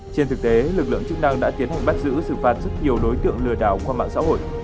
trên thực tế lực lượng chức năng đã tiến hành bắt giữ xử phạt rất nhiều đối tượng lừa đảo qua mạng xã hội